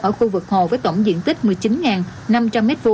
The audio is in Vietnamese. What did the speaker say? ở khu vực hồ với tổng diện tích một mươi chín năm trăm linh m hai